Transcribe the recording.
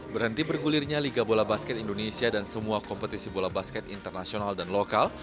berhenti bergulirnya liga bola basket indonesia dan semua kompetisi bola basket internasional dan lokal